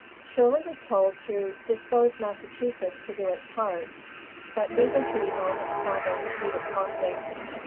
Shirley was told to "dispose Massachusetts to do its part;" but neither he nor his province needed prompting.